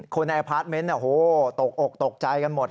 คนในอพาร์ทเมนต์โต๊ะอกใจกันหมด